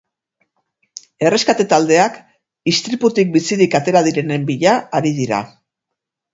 Erreskate taldeak istriputik bizirik atera direnen bila ari dira.